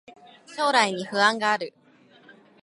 将来に不安がある